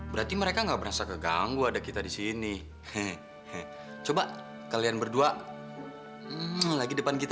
berarti mereka nggak merasa keganggu ada kita di sini hehehe coba kalian berdua lagi depan kita